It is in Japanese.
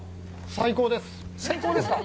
最高ですか。